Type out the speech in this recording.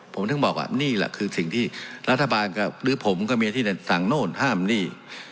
ผมถึงบอกว่านี่แหละคือสิ่งที่รัฐบาลหรือผมก็มีที่จะสั่งโน่นห้ามนี่